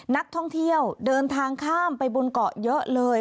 นักท่องเที่ยวเดินทางข้ามไปบนเกาะเยอะเลย